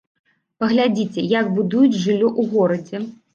Паглядзіце, як будуюць жыллё ў горадзе!